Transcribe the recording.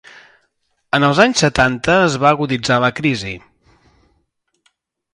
En els anys setanta es va aguditzar la crisi.